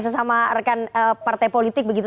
sesama rekan partai politik begitu